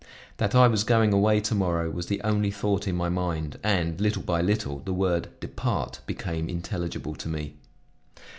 That I was going away to morrow was the only thought in my mind and, little by little, the word "depart" became intelligible to me.